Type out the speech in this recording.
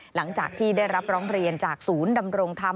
หลังจากที่ได้รับร้องเรียนจากศูนย์ดำรงธรรม